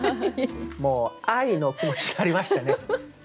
もう愛の気持ちになりましたね。